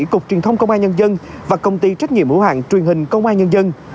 cục truyền thông công an nhân dân và công ty trách nhiệm hữu hạng truyền hình công an nhân dân